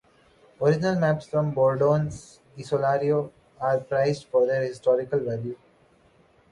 Original maps from Bordone's "Isolario" are prized for their historical value.